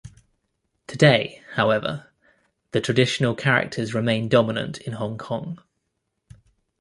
Today, however, the traditional characters remain dominant in Hong Kong.